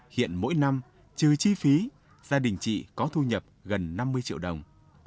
hiện mỗi năm trừ chi phí gia đình chị có thu nhập gần năm mươi triệu đồng